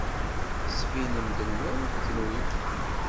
Tettbinem-d n Luṛup kunwi.